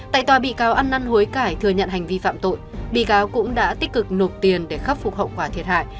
tại tòa bị cáo ăn năn hối cải thừa nhận hành vi phạm tội bị cáo cũng đã tích cực nộp tiền để khắc phục hậu quả thiệt hại